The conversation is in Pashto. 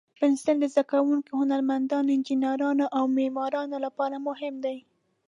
پنسل د زده کوونکو، هنرمندانو، انجینرانو، او معمارانو لپاره مهم دی.